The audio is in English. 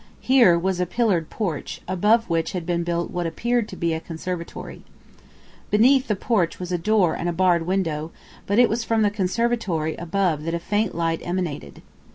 Here was a pillared porch, above which had been built what appeared to be a conservatory. Beneath the porch was a door and a barred window, but it was from the conservatory above that a faint light emanated.